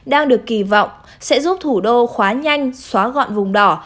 đang được kỳ vọng sẽ giúp thủ đô khóa nhanh xóa gọn vùng đỏ